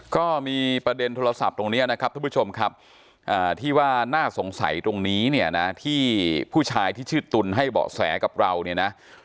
ก็มีประเด็นโทรศัพท์ตรงนี้นะครับท่านผู้ชมครับที่ว่าน่าสงสัยตรงนี้เนี่ยนะที่ผู้ชายที่ชื่อตุลให้เบาะแสกับเราเนี่ยนะ